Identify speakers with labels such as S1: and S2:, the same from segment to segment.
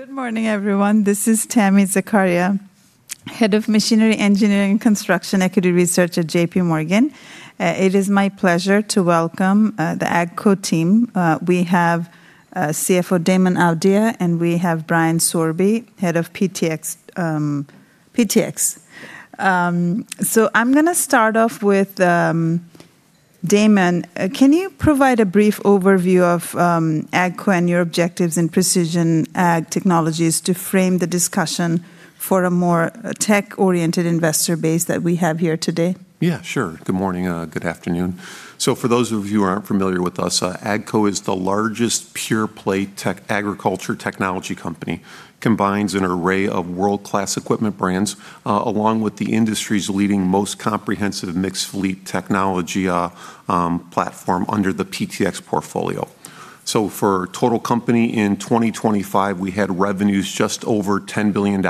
S1: Good morning, everyone. This is Tami Zakaria, Head of Machinery, Engineering and Construction Equity Research at JPMorgan. It is my pleasure to welcome the AGCO team. We have CFO Damon Audia, and we have Brian Sorbe, Head of PTx. I'm gonna start off with Damon. Can you provide a brief overview of AGCO and your objectives in precision ag technologies to frame the discussion for a more tech-oriented investor base that we have here today?
S2: Yeah, sure. Good morning. Good afternoon. For those of you who aren't familiar with us, AGCO is the largest pure-play tech agriculture technology company. Combines an array of world-class equipment brands, along with the industry's leading most comprehensive mixed fleet technology platform under the PTx portfolio. For total company in 2025, we had revenues just over $10 billion,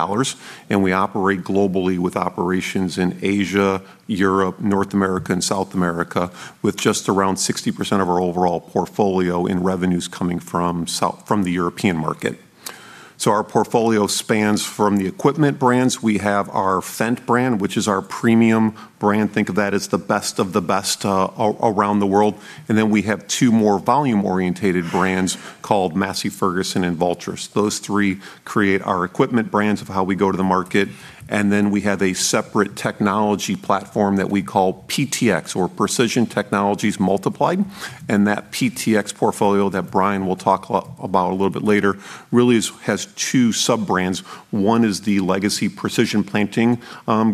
S2: and we operate globally with operations in Asia, Europe, North America, and South America, with just around 60% of our overall portfolio in revenues coming from the European market. Our portfolio spans from the equipment brands. We have our Fendt brand, which is our premium brand. Think of that as the best of the best around the world. Then we have two more volume-oriented brands called Massey Ferguson and Valtra. Those three create our equipment brands of how we go to the market. We have a separate technology platform that we call PTx, or Precision Technologies Multiplied. That PTx portfolio that Brian will talk about a little bit later really has two sub-brands. One is the legacy Precision Planting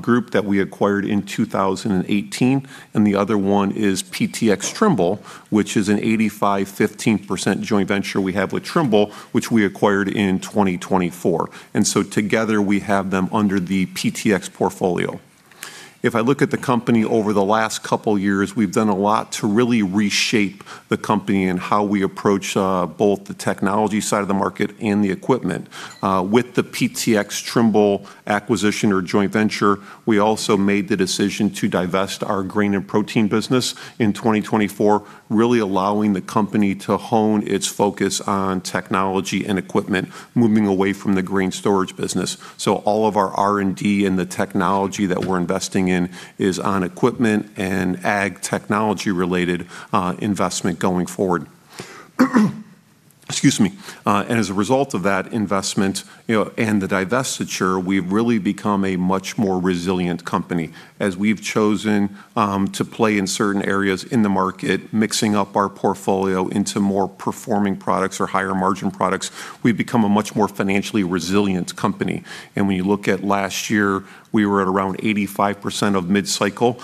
S2: group that we acquired in 2018, and the other one is PTx Trimble, which is an 85%/15% joint venture we have with Trimble, which we acquired in 2024. Together we have them under the PTx portfolio. If I look at the company over the last couple years, we've done a lot to really reshape the company and how we approach both the technology side of the market and the equipment. With the PTx Trimble acquisition or joint venture, we also made the decision to divest our Grain & Protein business in 2024, really allowing the company to hone its focus on technology and equipment, moving away from the grain storage business. All of our R&D and the technology that we're investing in is on equipment and ag technology-related investment going forward. As a result of that investment, you know, and the divestiture, we've really become a much more resilient company. As we've chosen to play in certain areas in the market, mixing up our portfolio into more performing products or higher margin products, we've become a much more financially resilient company. When you look at last year, we were at around 85% of mid-cycle,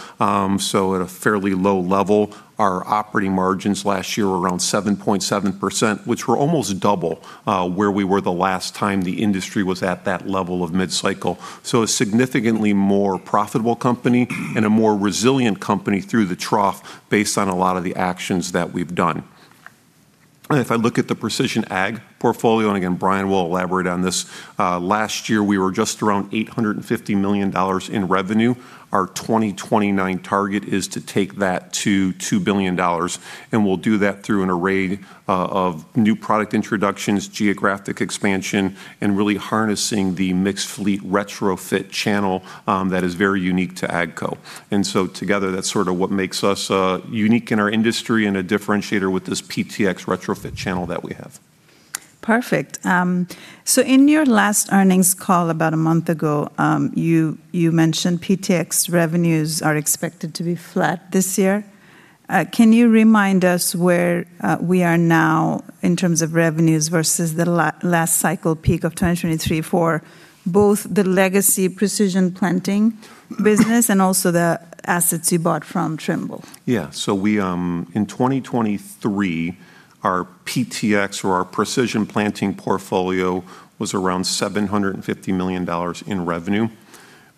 S2: so at a fairly low level. Our operating margins last year were around 7.7%, which were almost double where we were the last time the industry was at that level of mid-cycle. A significantly more profitable company and a more resilient company through the trough based on a lot of the actions that we've done. If I look at the precision ag portfolio, and again, Brian will elaborate on this, last year, we were just around $850 million in revenue. Our 2029 target is to take that to $2 billion, and we'll do that through an array of new product introductions, geographic expansion, and really harnessing the mixed fleet retrofit channel that is very unique to AGCO. Together, that's sort of what makes us unique in our industry and a differentiator with this PTx retrofit channel that we have.
S1: Perfect. In your last earnings call about a month ago, you mentioned PTx revenues are expected to be flat this year. Can you remind us where we are now in terms of revenues versus the last cycle peak of 2023 for both the legacy Precision Planting business and also the assets you bought from Trimble?
S2: Yeah. We, in 2023, our PTx or our Precision Planting portfolio was around $750 million in revenue.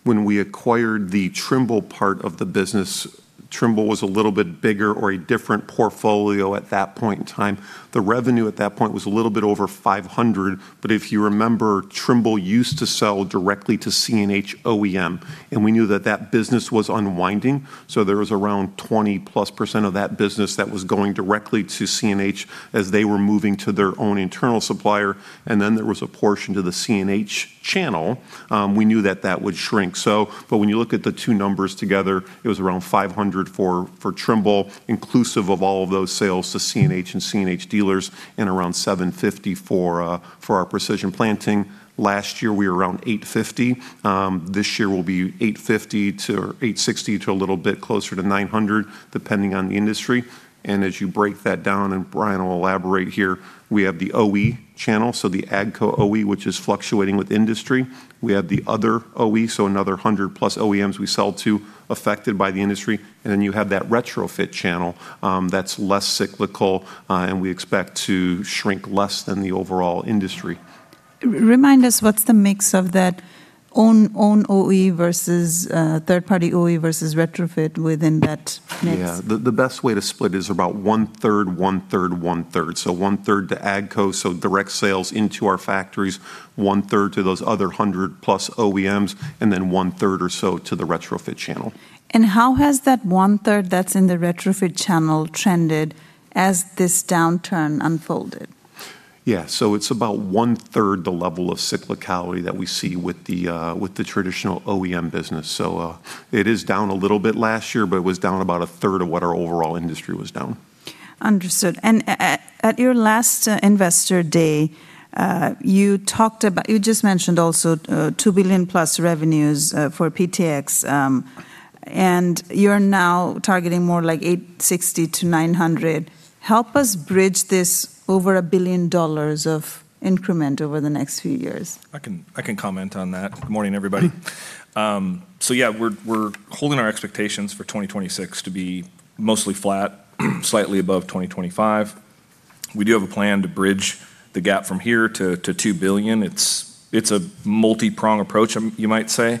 S2: When we acquired the Trimble part of the business, Trimble was a little bit bigger or a different portfolio at that point in time. The revenue at that point was a little bit over $500 million. If you remember, Trimble used to sell directly to CNH OEM, and we knew that that business was unwinding. There was around 20%+ of that business that was going directly to CNH as they were moving to their own internal supplier, and then there was a portion to the CNH channel. We knew that that would shrink. When you look at the two numbers together, it was around $500 for Trimble, inclusive of all of those sales to CNH and CNH dealers, and around $750 for our Precision Planting. Last year, we were around $850. This year we'll be $860 million-$900 million, depending on the industry. As you break that down, and Brian will elaborate here, we have the OE channel, so the AGCO OE, which is fluctuating with industry. We have the other OE, so another 100+ OEMs we sell to affected by the industry. You have that retrofit channel that's less cyclical, and we expect to shrink less than the overall industry.
S1: Remind us what's the mix of that own OE versus third party OE versus retrofit within that mix?
S2: Yeah. The best way to split is about 1/3, 1/3, 1/3. 1/3 to AGCO, so direct sales into our factories, 1/3 to those other 100+ OEMs, and then 1/3 or so to the retrofit channel.
S1: How has that 1/3 that's in the retrofit channel trended as this downturn unfolded?
S2: It's about 1/3 the level of cyclicality that we see with the, with the traditional OEM business. It is down a little bit last year, but it was down about a third of what our overall industry was down.
S1: Understood. At your last Investor Day, you just mentioned also $2+ billion revenues for PTx, and you're now targeting more like $860 million-$900 million. Help us bridge this over $1 billion of increment over the next few years.
S3: I can comment on that. Good morning, everybody. Yeah, we're holding our expectations for 2026 to be mostly flat, slightly above 2025. We do have a plan to bridge the gap from here to $2 billion. It's a multi-prong approach, you might say.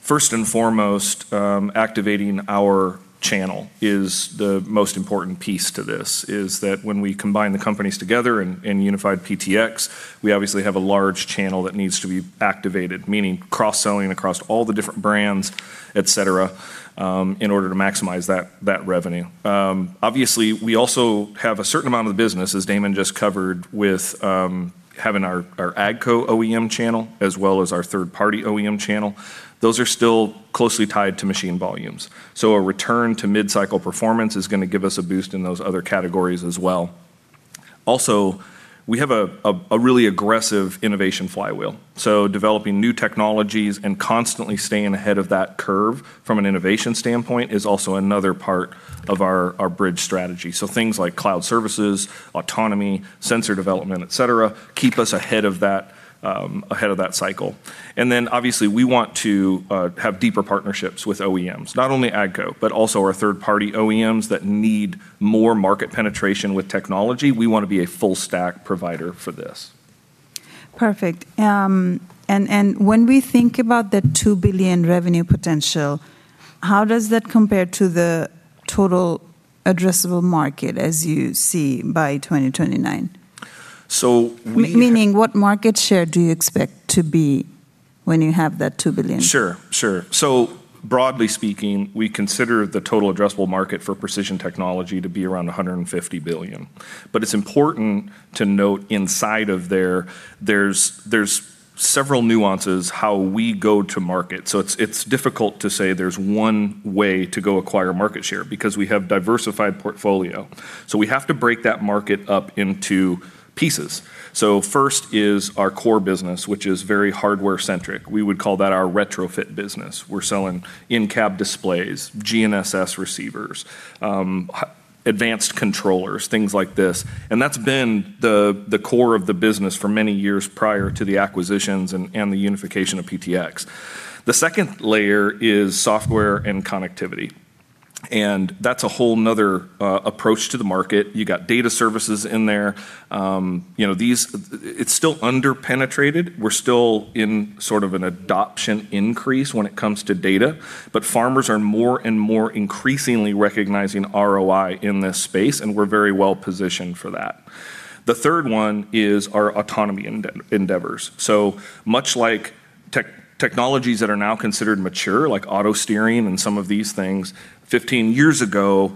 S3: First and foremost, activating our channel is the most important piece to this, is that when we combine the companies together in unified PTx, we obviously have a large channel that needs to be activated, meaning cross-selling across all the different brands, et cetera, in order to maximize that revenue. Obviously, we also have a certain amount of the business, as Damon just covered, with having our AGCO OEM channel as well as our third-party OEM channel. Those are still closely tied to machine volumes. A return to mid-cycle performance is going to give us a boost in those other categories as well. Also, we have a really aggressive innovation flywheel, so developing new technologies and constantly staying ahead of that curve from an innovation standpoint is also another part of our bridge strategy. Things like cloud services, autonomy, sensor development, et cetera, keep us ahead of that cycle. Obviously, we want to have deeper partnerships with OEMs. Not only AGCO, but also our third-party OEMs that need more market penetration with technology. We want to be a full stack provider for this.
S1: Perfect. When we think about the $2 billion revenue potential, how does that compare to the total addressable market as you see by 2029?
S3: So we-
S1: Meaning what market share do you expect to be when you have that $2 billion?
S3: Sure, sure. Broadly speaking, we consider the total addressable market for precision technology to be around $150 billion. It's important to note inside of there's several nuances how we go to market. It's difficult to say there's one way to go acquire market share because we have diversified portfolio. We have to break that market up into pieces. First is our core business, which is very hardware centric. We would call that our retrofit business. We're selling in-cab displays, GNSS receivers, advanced controllers, things like this, and that's been the core of the business for many years prior to the acquisitions and the unification of PTx. The second layer is software and connectivity, and that's a whole another approach to the market. You got data services in there. You know, it's still under-penetrated. We're still in sort of an adoption increase when it comes to data. Farmers are more and more increasingly recognizing ROI in this space, and we're very well positioned for that. The third one is our autonomy endeavors. Much like technologies that are now considered mature, like auto steering and some of these things, 15 years ago,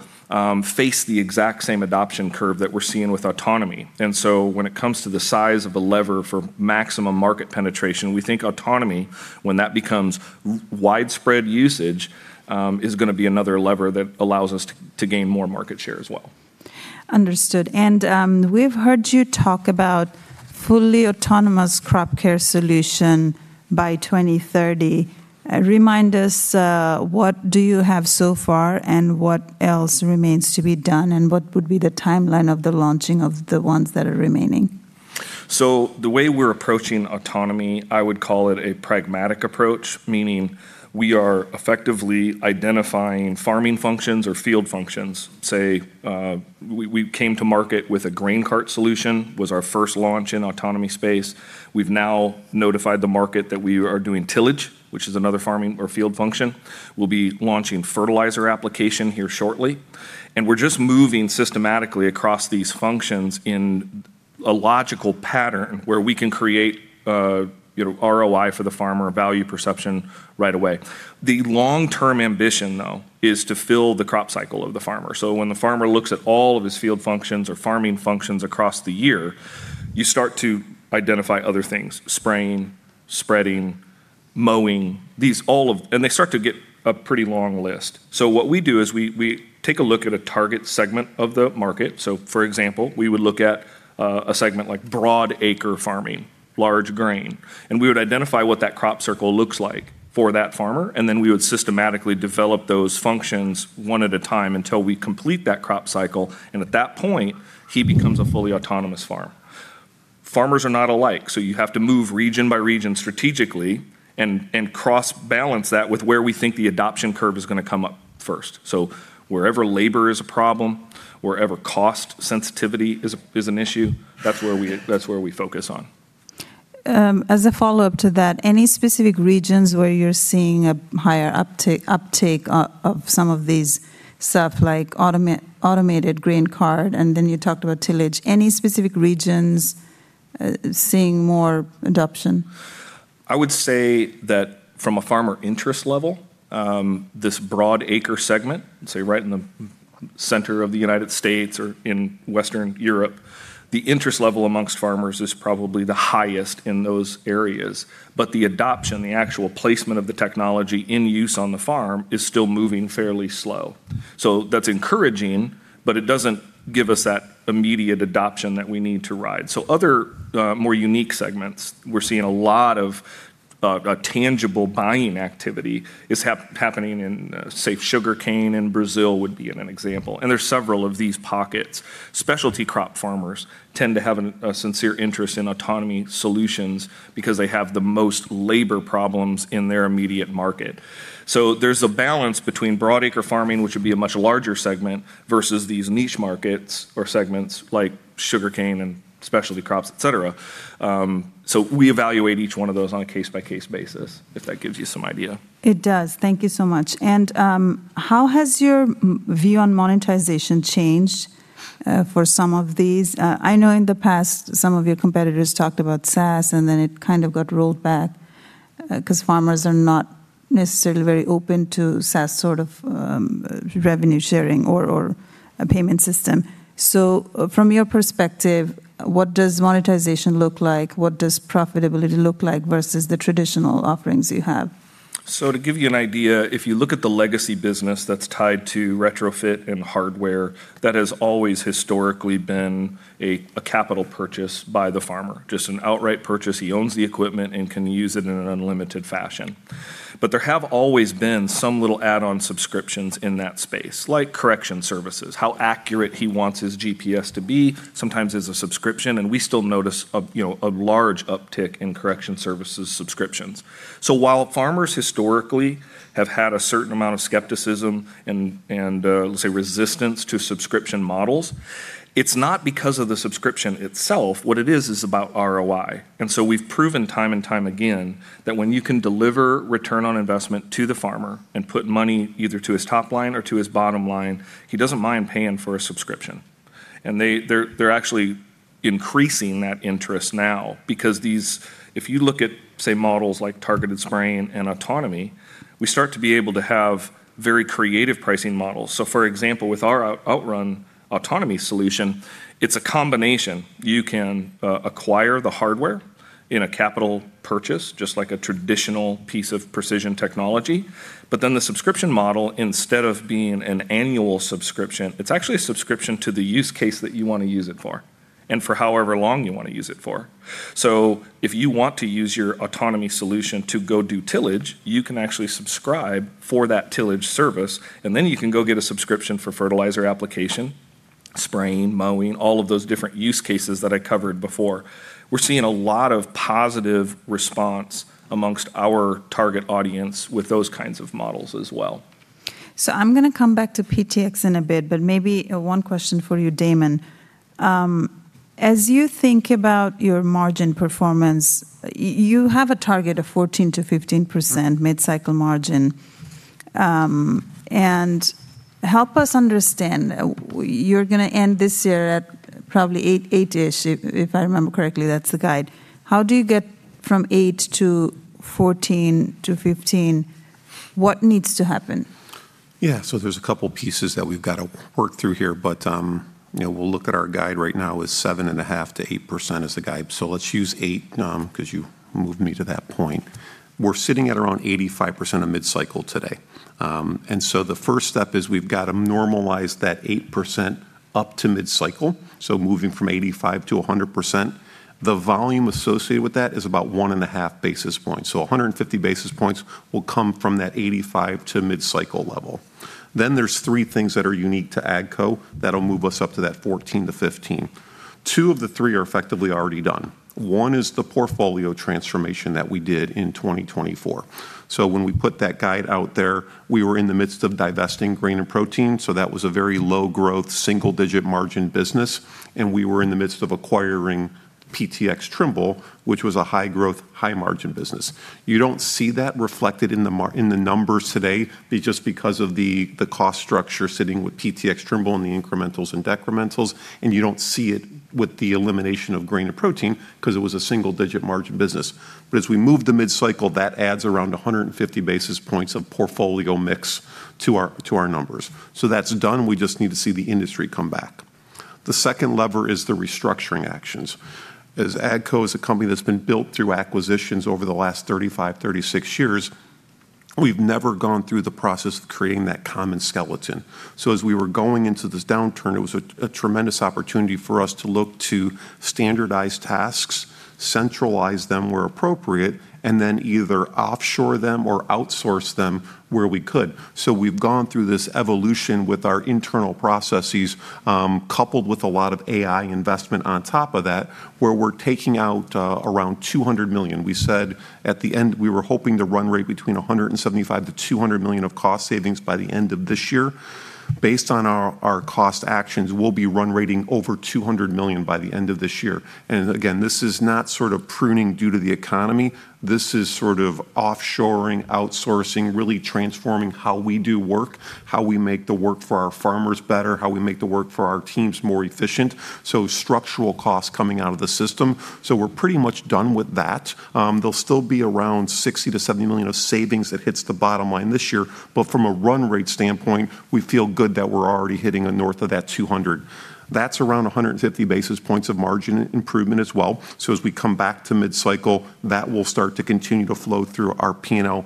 S3: faced the exact same adoption curve that we're seeing with autonomy. When it comes to the size of a lever for maximum market penetration, we think autonomy, when that becomes widespread usage, is gonna be another lever that allows us to gain more market share as well.
S1: Understood. We've heard you talk about fully autonomous crop care solution by 2030. Remind us, what do you have so far and what else remains to be done, and what would be the timeline of the launching of the ones that are remaining?
S3: The way we're approaching autonomy, I would call it a pragmatic approach, meaning we are effectively identifying farming functions or field functions. Say, we came to market with a grain cart solution, was our first launch in autonomy space. We've now notified the market that we are doing tillage, which is another farming or field function. We'll be launching fertilizer application here shortly. We're just moving systematically across these functions in a logical pattern where we can create, you know, ROI for the farmer, value perception right away. The long-term ambition, though, is to fill the crop cycle of the farmer. When the farmer looks at all of his field functions or farming functions across the year, you start to identify other things, spraying, spreading, mowing. They start to get a pretty long list. What we do is we take a look at a target segment of the market. For example, we would look at a segment like broad acre farming, large grain, and we would identify what that crop cycle looks like for that farmer, and then we would systematically develop those functions one at a time until we complete that crop cycle. And at that point, he becomes a fully autonomous farm. Farmers are not alike, you have to move region by region strategically and cross-balance that with where we think the adoption curve is gonna come up first. Wherever labor is a problem, wherever cost sensitivity is an issue, that's where we focus on.
S1: As a follow-up to that, any specific regions where you're seeing a higher uptake of some of these stuff like automated grain cart, and then you talked about tillage? Any specific regions seeing more adoption?
S3: I would say that from a farmer interest level, this broad acre segment, say right in the center of the United States or in Western Europe, the interest level amongst farmers is probably the highest in those areas. The adoption, the actual placement of the technology in use on the farm is still moving fairly slow. That's encouraging, but it doesn't give us that immediate adoption that we need to ride. Other, more unique segments, we're seeing a lot of tangible buying activity is happening in, say, sugarcane in Brazil would be an example, and there's several of these pockets. Specialty crop farmers tend to have a sincere interest in autonomy solutions because they have the most labor problems in their immediate market. There's a balance between broad acre farming, which would be a much larger segment, versus these niche markets or segments like sugarcane and specialty crops, et cetera. We evaluate each one of those on a case-by-case basis, if that gives you some idea.
S1: It does. Thank you so much. How has your view on monetization changed for some of these? I know in the past, some of your competitors talked about SaaS, and then it kind of got rolled back, 'cause farmers are not necessarily very open to SaaS sort of revenue sharing or a payment system. From your perspective, what does monetization look like? What does profitability look like versus the traditional offerings you have?
S3: To give you an idea, if you look at the legacy business that's tied to retrofit and hardware, that has always historically been a capital purchase by the farmer, just an outright purchase. He owns the equipment and can use it in an unlimited fashion. There have always been some little add-on subscriptions in that space, like correction services. How accurate he wants his GPS to be sometimes is a subscription, and we still notice a, you know, a large uptick in correction services subscriptions. While farmers historically have had a certain amount of skepticism and let's say resistance to subscription models, it's not because of the subscription itself. What it is about ROI. We've proven time and time again that when you can deliver ROI to the farmer and put money either to his top line or to his bottom line, he doesn't mind paying for a subscription. They're actually increasing that interest now because if you look at, say, models like targeted spraying and autonomy, we start to be able to have very creative pricing models. For example, with our OutRun autonomy solution, it's a combination. You can acquire the hardware in a capital purchase, just like a traditional piece of precision technology. The subscription model, instead of being an annual subscription, it's actually a subscription to the use case that you wanna use it for and for however long you wanna use it for. If you want to use your autonomy solution to go do tillage, you can actually subscribe for that tillage service, and then you can go get a subscription for fertilizer application, spraying, mowing, all of those different use cases that I covered before. We're seeing a lot of positive response amongst our target audience with those kinds of models as well.
S1: I'm gonna come back to PTx in a bit, maybe, one question for you, Damon. As you think about your margin performance, you have a target of 14%-15%.
S2: Right.
S1: Mid-cycle margin. Help us understand, you're gonna end this year at probably 8%-ish, if I remember correctly, that's the guide. How do you get from 8% to 14% to 15%? What needs to happen?
S2: There's a couple pieces that we've got to work through here, but, you know, we'll look at our guide right now is 7.5% to 8% is the guide. Let's use 8%, 'cause you moved me to that point. We're sitting at around 85% of mid-cycle today. The first step is we've got to normalize that 8% up to mid-cycle, so moving from 85% to 100%. The volume associated with that is about 1.5 basis points. 150 basis points will come from that 85% to mid-cycle level. There's three things that are unique to AGCO that'll move us up to that 14%-15%. Two of the three are effectively already done. One is the portfolio transformation that we did in 2024. When we put that guide out there, we were in the midst of divesting Grain & Protein, so that was a very low growth, single-digit margin business, and we were in the midst of acquiring PTx Trimble, which was a high growth, high margin business. You don't see that reflected in the numbers today just because of the cost structure sitting with PTx Trimble and the incrementals and decrementals, and you don't see it with the elimination of Grain & Protein 'cause it was a single-digit margin business. As we move to mid-cycle, that adds around 150 basis points of portfolio mix to our numbers. That's done. We just need to see the industry come back. The second lever is the restructuring actions. As AGCO is a company that's been built through acquisitions over the last 35, 36 years, we've never gone through the process of creating that common skeleton. As we were going into this downturn, it was a tremendous opportunity for us to look to standardize tasks, centralize them where appropriate, and then either offshore them or outsource them where we could. We've gone through this evolution with our internal processes, coupled with a lot of AI investment on top of that, where we're taking out around $200 million. We said at the end, we were hoping to run rate between $175 million-$200 million of cost savings by the end of this year. Based on our cost actions, we'll be run rating over $200 million by the end of this year. Again, this is not sort of pruning due to the economy. This is sort of offshoring, outsourcing, really transforming how we do work, how we make the work for our farmers better, how we make the work for our teams more efficient. Structural costs coming out of the system. We're pretty much done with that. There'll still be around $60 million-$70 million of savings that hits the bottom line this year, but from a run rate standpoint, we feel good that we're already hitting a north of that $200 million. That's around 150 basis points of margin improvement as well. As we come back to mid-cycle, that will start to continue to flow through our P&L.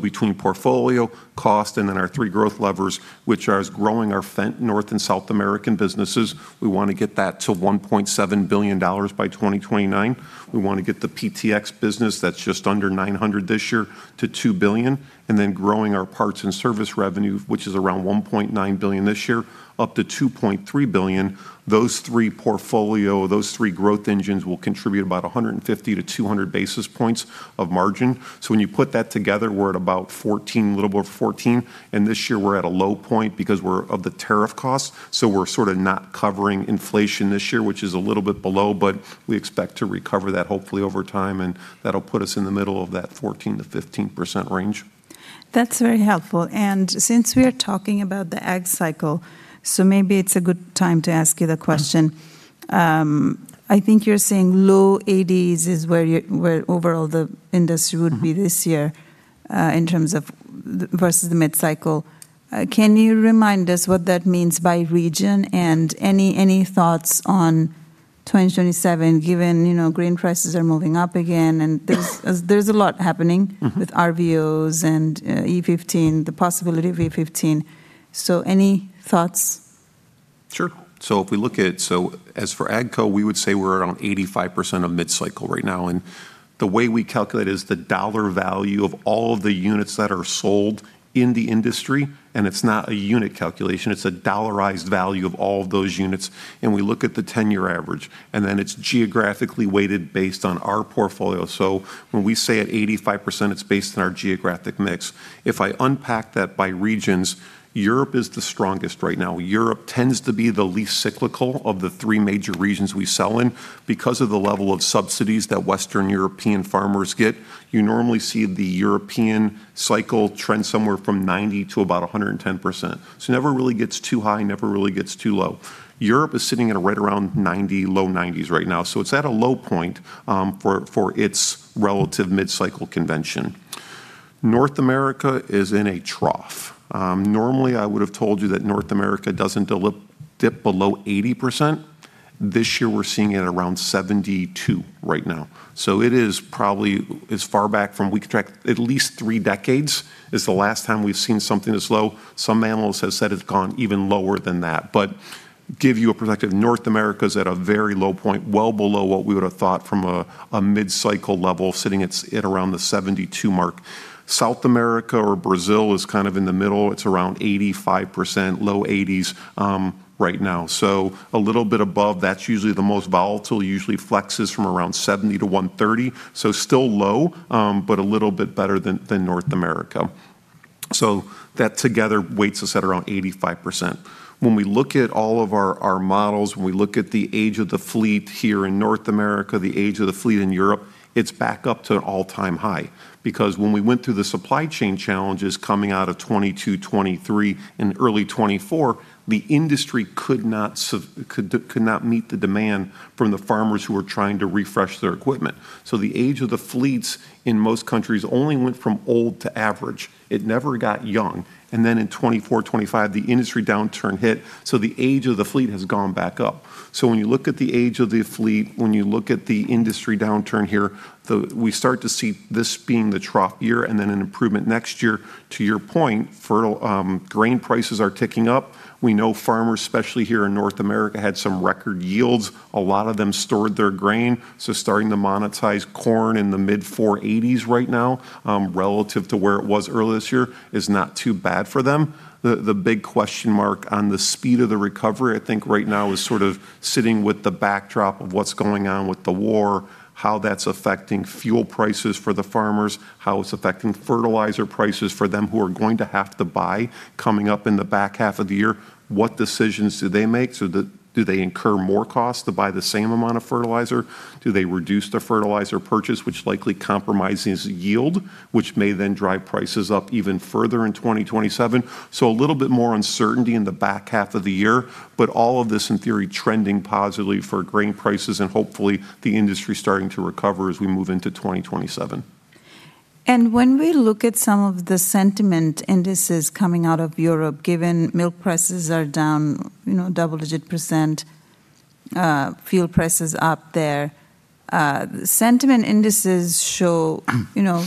S2: Between portfolio, cost, and our three growth levers, which are us growing our North and South American businesses, we want to get that to $1.7 billion by 2029. We want to get the PTx business that's just under $900 million this year to $2 billion, growing our parts and service revenue, which is around $1.9 billion this year, up to $2.3 billion. Those three growth engines will contribute about 150-200 basis points of margin. When you put that together, we're at about 14%, a little bit of 14%, and this year we're at a low point because of the tariff costs, so we're sort of not covering inflation this year, which is a little bit below, but we expect to recover that hopefully over time, and that'll put us in the middle of that 14%-15% range.
S1: That's very helpful. Since we are talking about the ag cycle, maybe it's a good time to ask you the question. I think you're saying low 80s is where overall the industry would be this year, in terms of, versus the mid-cycle. Can you remind us what that means by region, and any thoughts on 2027, given, you know, grain prices are moving up again, and there's a lot happening? With RVOs and E15, the possibility of E15, any thoughts?
S2: Sure. If we look at, as for AGCO, we would say we're around 85% of mid-cycle right now. The way we calculate is the dollar value of all the units that are sold in the industry. It's not a unit calculation, it's a dollarized value of all of those units. We look at the 10-year average. It's geographically weighted based on our portfolio. When we say at 85%, it's based on our geographic mix. If I unpack that by regions, Europe is the strongest right now. Europe tends to be the least cyclical of the three major regions we sell in because of the level of subsidies that Western European farmers get. You normally see the European cycle trend somewhere from 90%-110%. It never really gets too high, never really gets too low. Europe is sitting at right around 90%, low 90s right now, so it's at a low point, for its relative mid-cycle convention. North America is in a trough. Normally I would've told you that North America doesn't dip below 80%. This year we're seeing it around 72% right now. It is probably as far back from we can track. At least three decades is the last time we've seen something this low. Some analysts have said it's gone even lower than that. Give you a perspective, North America's at a very low point, well below what we would've thought from a mid-cycle level, sitting at around the 72% mark. South America or Brazil is kind of in the middle. It's around 85%, low 80s, right now. A little bit above. That's usually the most volatile, usually flexes from around 70%-130%, still low, a little bit better than North America. That together weights us at around 85%. When we look at all of our models, when we look at the age of the fleet here in North America, the age of the fleet in Europe, it's back up to an all-time high. When we went through the supply chain challenges coming out of 2022, 2023 and early 2024, the industry could not meet the demand from the farmers who were trying to refresh their equipment. The age of the fleets in most countries only went from old to average. It never got young. In 2024, 2025, the industry downturn hit, the age of the fleet has gone back up. When you look at the age of the fleet, when you look at the industry downturn here, we start to see this being the trough year and then an improvement next year. To your point, favorable grain prices are ticking up. We know farmers, especially here in North America, had some record yields. A lot of them stored their grain, so starting to monetize corn in the mid $4.80s right now, relative to where it was early this year, is not too bad for them. The big question mark on the speed of the recovery, I think right now, is sort of sitting with the backdrop of what's going on with the war, how that's affecting fuel prices for the farmers, how it's affecting fertilizer prices for them, who are going to have to buy coming up in the back half of the year. What decisions do they make? Do they incur more cost to buy the same amount of fertilizer? Do they reduce their fertilizer purchase, which likely compromises yield, which may then drive prices up even further in 2027? A little bit more uncertainty in the back half of the year, all of this, in theory, trending positively for grain prices and hopefully the industry starting to recover as we move into 2027.
S1: When we look at some of the sentiment indices coming out of Europe, given milk prices are down, you know, double-digit percent, fuel prices up there, sentiment indices show, you know,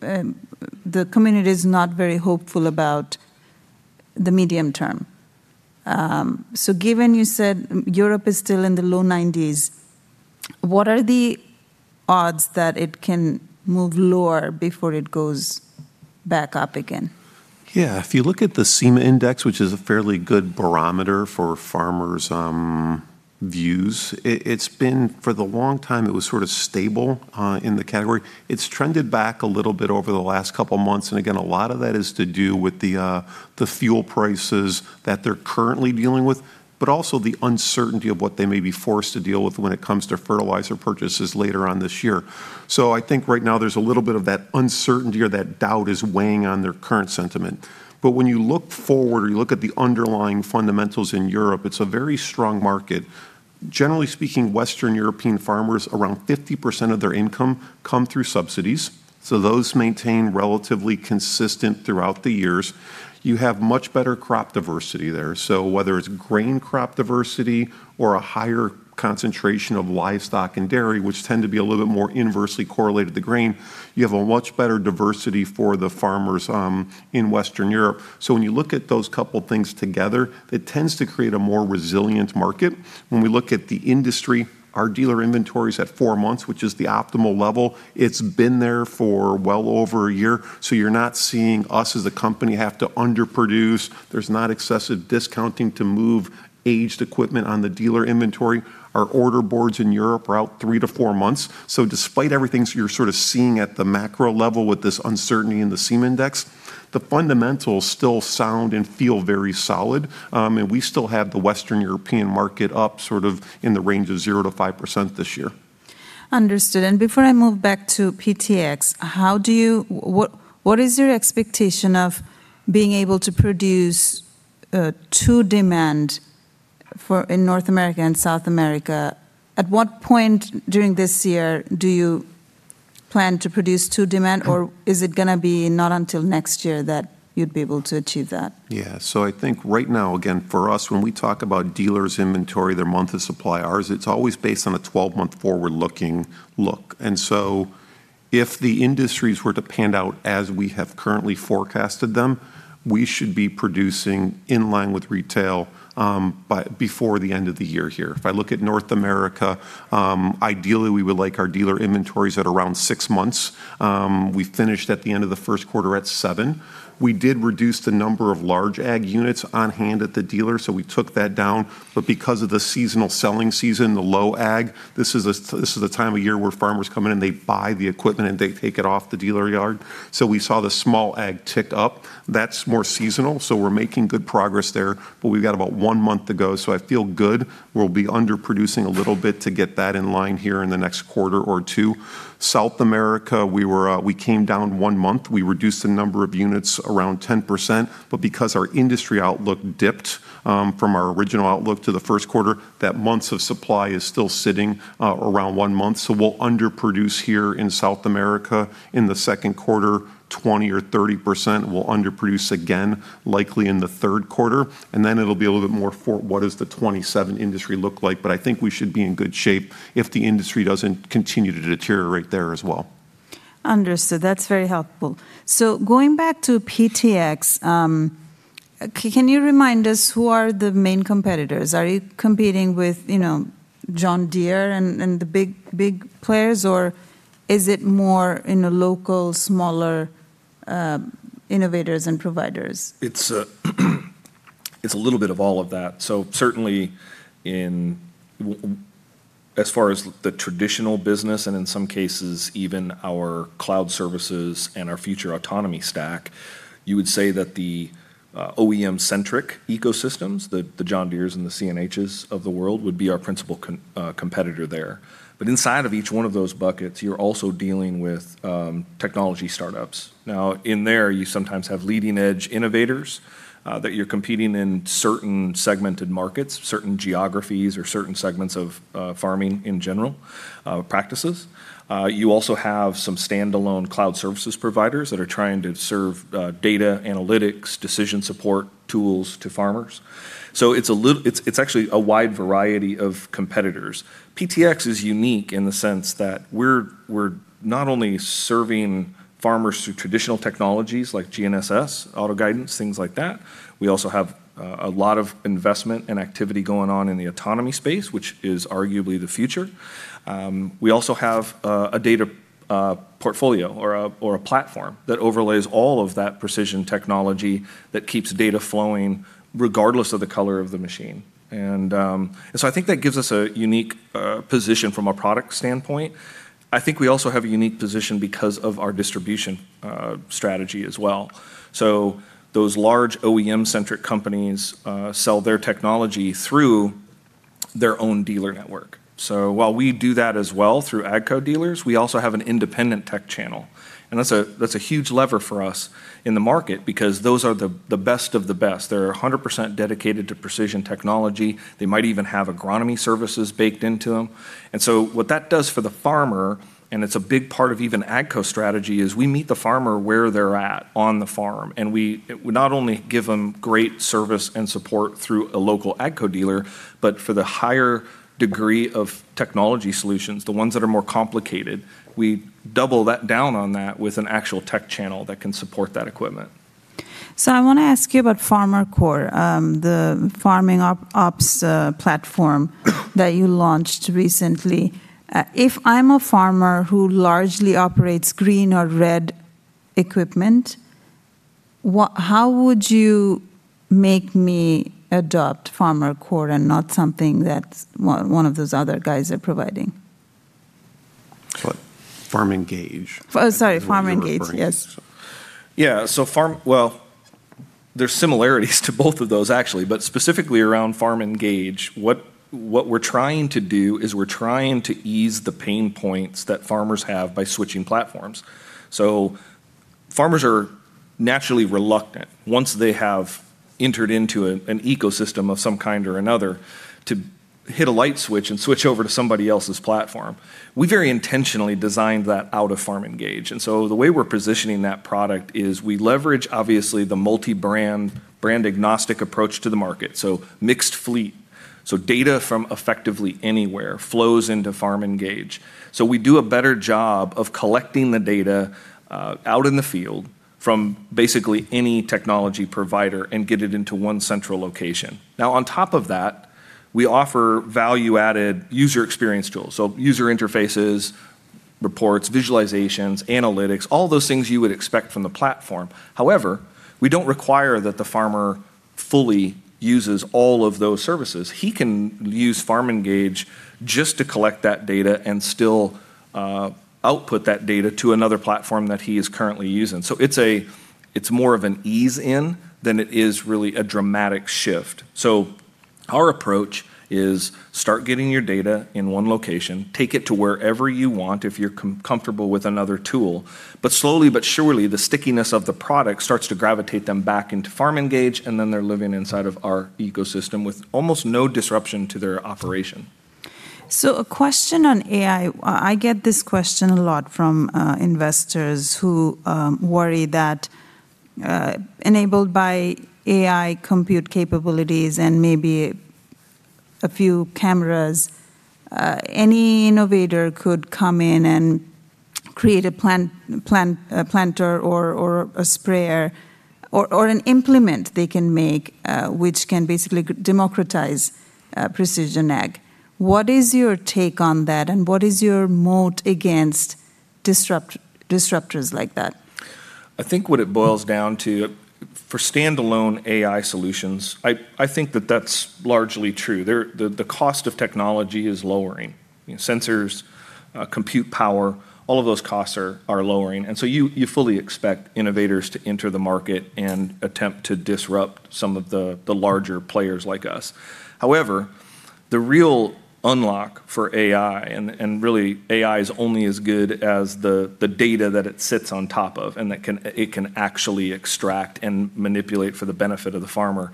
S1: the community's not very hopeful about the medium term. Given you said Europe is still in the low 90s, what are the odds that it can move lower before it goes back up again?
S2: If you look at the CEMA Index, which is a fairly good barometer for farmers' views, it's been, for the long time it was sort of stable in the category. It's trended back a little bit over the last couple months, again, a lot of that is to do with the fuel prices that they're currently dealing with, but also the uncertainty of what they may be forced to deal with when it comes to fertilizer purchases later on this year. I think right now there's a little bit of that uncertainty or that doubt is weighing on their current sentiment. When you look forward or you look at the underlying fundamentals in Europe, it's a very strong market. Generally speaking, Western European farmers, around 50% of their income come through subsidies. Those maintain relatively consistent throughout the years. You have much better crop diversity there. Whether it's grain crop diversity or a higher concentration of livestock and dairy, which tend to be a little bit more inversely correlated to grain, you have a much better diversity for the farmers in Western Europe. When you look at those couple things together, it tends to create a more resilient market. When we look at the industry, our dealer inventory's at four months, which is the optimal level. It's been there for well over a year, so you're not seeing us as a company have to underproduce. There's not excessive discounting to move aged equipment on the dealer inventory. Our order boards in Europe are out three to four months. Despite everything, you're sort of seeing at the macro level with this uncertainty in the CEMA Index, the fundamentals still sound and feel very solid. We still have the Western European market up sort of in the range of 0%-5% this year.
S1: Understood. Before I move back to PTx, what is your expectation of being able to produce to demand for, in North America and South America? At what point during this year do you plan to produce to demand? Is it going to be not until next year that you'd be able to achieve that?
S2: I think right now, for us, when we talk about dealers' inventory, their month of supply, ours, it's always based on a 12-month forward-looking look. If the industries were to pan out as we have currently forecasted them, we should be producing in line with retail before the end of the year here. If I look at North America, ideally, we would like our dealer inventories at around six months. We finished at the end of the first quarter at 7%. We did reduce the number of large ag units on hand at the dealer, so we took that down. Because of the seasonal selling season, the low ag, this is a time of year where farmers come in and they buy the equipment, and they take it off the dealer yard. We saw the small ag tick up. That's more seasonal, we're making good progress there. We've got about one month to go, I feel good. We'll be underproducing a little bit to get that in line here in the next quarter or two. South America, we came down one month. We reduced the number of units around 10%. Because our industry outlook dipped from our original outlook to the first quarter, that month's of supply is still sitting around one month. We'll underproduce here in South America in the second quarter 20% or 30%. We'll underproduce again likely in the third quarter, it'll be a little bit more for what does the 2027 industry look like. I think we should be in good shape if the industry doesn't continue to deteriorate there as well.
S1: Understood. That's very helpful. Going back to PTx, can you remind us who are the main competitors? Are you competing with, you know, John Deere and the big players, or is it more in the local, smaller innovators and providers?
S3: It's a little bit of all of that. Certainly as far as the traditional business and in some cases even our cloud services and our future autonomy stack, you would say that the OEM-centric ecosystems, the John Deeres and the CNHs of the world would be our principal competitor there. Inside of each one of those buckets, you're also dealing with technology startups. In there, you sometimes have leading edge innovators that you're competing in certain segmented markets, certain geographies or certain segments of farming in general practices. You also have some standalone cloud services providers that are trying to serve data analytics, decision support tools to farmers. It's actually a wide variety of competitors. PTx is unique in the sense that we're not only serving farmers through traditional technologies like GNSS, auto guidance, things like that, we also have a lot of investment and activity going on in the autonomy space, which is arguably the future. We also have a data portfolio or a platform that overlays all of that precision technology that keeps data flowing regardless of the color of the machine. I think that gives us a unique position from a product standpoint. I think we also have a unique position because of our distribution strategy as well. Those large OEM-centric companies sell their technology through their own dealer network. While we do that as well through AGCO dealers, we also have an independent tech channel, that's a huge lever for us in the market because those are the best of the best. They're 100% dedicated to precision technology. They might even have agronomy services baked into them. What that does for the farmer, and it's a big part of even AGCO strategy, is we meet the farmer where they're at on the farm, and we not only give them great service and support through a local AGCO dealer, but for the higher degree of technology solutions, the ones that are more complicated, we double that down on that with an actual tech channel that can support that equipment.
S1: I wanna ask you about FarmerCore, the farming ops platform that you launched recently. If I'm a farmer who largely operates green or red equipment, how would you make me adopt FarmerCore and not something that one of those other guys are providing?
S2: FarmEngage.
S1: Oh, sorry. FarmENGAGE.
S2: Is what you're referring to?
S1: Yes.
S3: Well, there's similarities to both of those actually. Specifically around FarmENGAGE, what we're trying to do is we're trying to ease the pain points that farmers have by switching platforms. Farmers are naturally reluctant once they have entered into an ecosystem of some kind or another to hit a light switch and switch over to somebody else's platform. We very intentionally designed that out of FarmENGAGE, and so the way we're positioning that product is we leverage obviously the multi-brand, brand-agnostic approach to the market, so mixed fleet. Data from effectively anywhere flows into FarmENGAGE. We do a better job of collecting the data out in the field from basically any technology provider and get it into one central location. On top of that, we offer value-added user experience tools, so user interfaces, reports, visualizations, analytics, all those things you would expect from the platform. However, we don't require that the farmer fully uses all of those services. He can use FarmENGAGE just to collect that data and still output that data to another platform that he is currently using. It's more of an ease in than it is really a dramatic shift. Our approach is start getting your data in one location, take it to wherever you want if you're comfortable with another tool, but slowly but surely, the stickiness of the product starts to gravitate them back into FarmENGAGE, and then they're living inside of our ecosystem with almost no disruption to their operation.
S1: A question on AI. I get this question a lot from investors who worry that enabled by AI compute capabilities and maybe a few cameras, any innovator could come in and create a planter or a sprayer or an implement they can make, which can basically democratize precision ag. What is your take on that, and what is your moat against disruptors like that?
S3: I think what it boils down to, for standalone AI solutions, I think that that's largely true. The cost of technology is lowering. You know, sensors, compute power, all of those costs are lowering, you fully expect innovators to enter the market and attempt to disrupt some of the larger players like us. However, the real unlock for AI, and really AI is only as good as the data that it sits on top of and that it can actually extract and manipulate for the benefit of the farmer.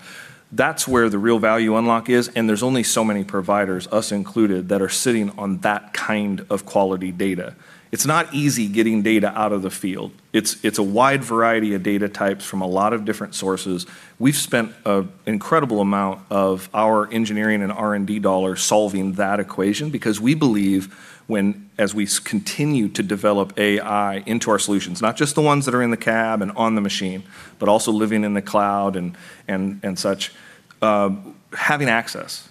S3: That's where the real value unlock is, there's only so many providers, us included, that are sitting on that kind of quality data. It's not easy getting data out of the field. It's a wide variety of data types from a lot of different sources. We've spent an incredible amount of our engineering and R&D dollars solving that equation because we believe when, as we continue to develop AI into our solutions, not just the ones that are in the cab and on the machine, but also living in the cloud and such, having access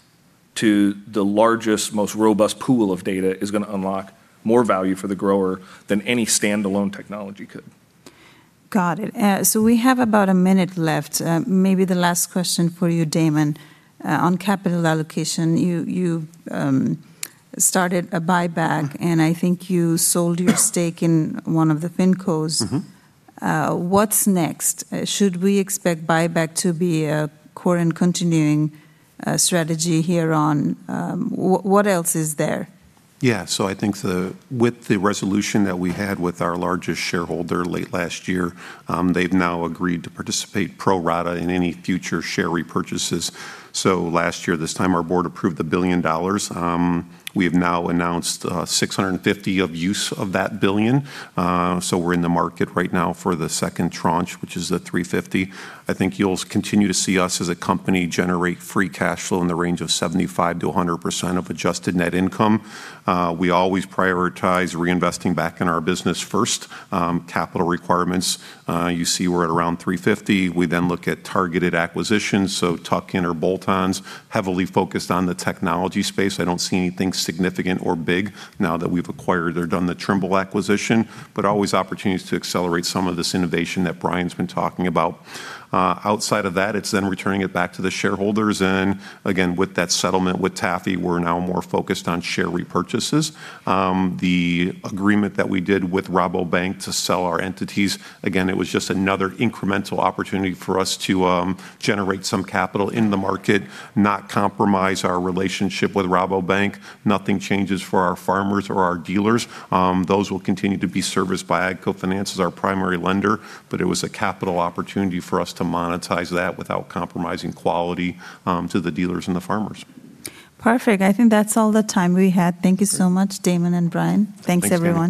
S3: to the largest, most robust pool of data is going to unlock more value for the grower than any standalone technology could.
S1: Got it. We have about one minute left. Maybe the last question for you, Damon. On capital allocation, you started a buyback. I think you sold your stake in one of the fincos. What's next? Should we expect buyback to be a core and continuing strategy here on? What else is there?
S2: Yeah, with the resolution that we had with our largest shareholder late last year, they've now agreed to participate pro rata in any future share repurchases. Last year this time, our board approved $1 billion. We have now announced $650 million of use of that $1 billion. We're in the market right now for the second tranche, which is the $350 million. I think you'll continue to see us as a company generate free cash flow in the range of 75%-100% of adjusted net income. We always prioritize reinvesting back in our business first. Capital requirements, you see we're at around $350 million. We look at targeted acquisitions, so tuck-in or bolt-ons, heavily focused on the technology space. I don't see anything significant or big now that we've acquired or done the Trimble acquisition, but always opportunities to accelerate some of this innovation that Brian's been talking about. Outside of that, it's then returning it back to the shareholders, and again, with that settlement with TAFE, we're now more focused on share repurchases. The agreement that we did with Rabobank to sell our entities, again, it was just another incremental opportunity for us to generate some capital in the market, not compromise our relationship with Rabobank. Nothing changes for our farmers or our dealers. Those will continue to be serviced by AGCO Finance as our primary lender, but it was a capital opportunity for us to monetize that without compromising quality to the dealers and the farmers.
S1: Perfect. I think that's all the time we had. Thank you so much, Damon and Brian.
S3: Thanks, Tami.
S1: Thanks, everyone.